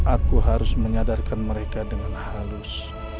aku harus menyadarkan mereka dengan halus